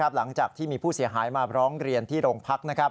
หลังจากที่มีผู้เสียหายมาร้องเรียนที่โรงพัก